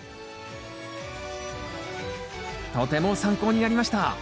とても参考になりました。